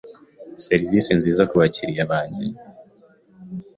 serivisi nziza ku bakiriya bange